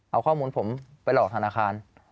เอาข้อมูลผมไปหลอกธนาคาร